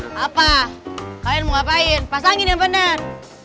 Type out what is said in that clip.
apa kalian mau ngapain pasangin yang benar